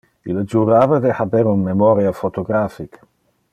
Ille jurava de haber un memoria photographic.